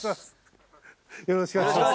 よろしくお願いします。